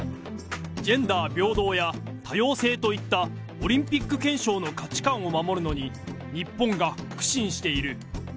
ジェンダー平等や多様性といったオリンピック憲章の価値観を守るのに、日本が苦心している。